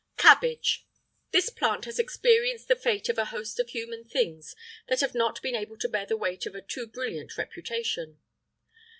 CABBAGE. This plant has experienced the fate of a host of human things that have not been able to bear the weight of a too brilliant reputation.